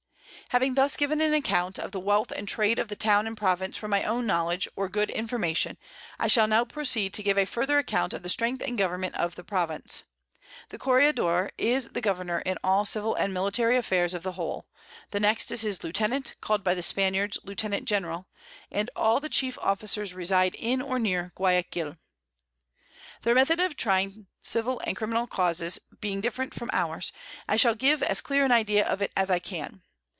Having thus given an account of the Wealth and Trade of the Town and Province from my own Knowledge, or good Information, I shall now proceed to give a further Account of the Strength and Government of the Province. The Corregidore is Governour in all Civil and Military Affairs of the whole; the next is his Lieutenant, call'd by the Spaniards Lieutenant General, and all the chief Officers reside in or near Guiaquil. [Sidenote: Description of Guiaquil.] Their Method of trying Civil and Criminal Causes being different from ours, I shall give as clear an Idea of it as I can.